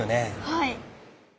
はい。